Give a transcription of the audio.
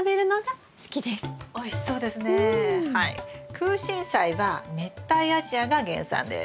クウシンサイは熱帯アジアが原産です。